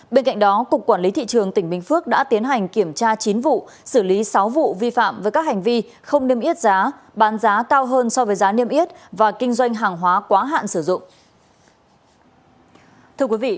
bên cạnh đó cục quản lý thị trường tỉnh bình phước đã tiến hành kiểm tra chín vụ xử lý sáu vụ vi phạm với các hành vi không niêm yết giá bán giá cao hơn so với giá niêm yết và kinh doanh hàng hóa quá hạn sử dụng